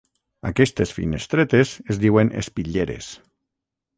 Aquestes finestretes es diuen espitlleres.